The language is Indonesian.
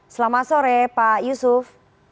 selamat sore pak yusuf